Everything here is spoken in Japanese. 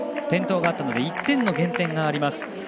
転倒があったので１点減点があります。